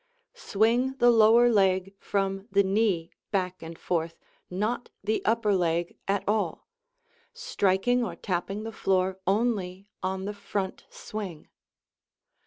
Swing the lower leg from the knee back and forth, not the upper leg at all, striking or tapping the floor only on the front swing.